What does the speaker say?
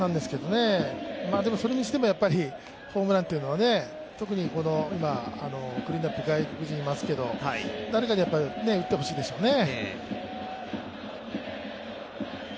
でもそれにしても、ホームランというのは、特に今、クリーンアップ外国人いますけど誰かに打ってほしいでしょうね。